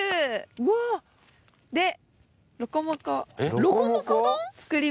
うわあでロコモコ丼？